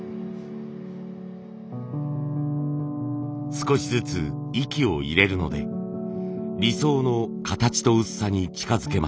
少しずつ息を入れるので理想の形と薄さに近づけます。